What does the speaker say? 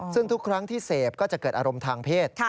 ซึ่งทุกครั้งที่เสพก็จะเกิดอารมณ์ทางเพศ